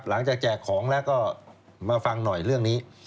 แจกของแล้วก็มาฟังหน่อยเรื่องนี้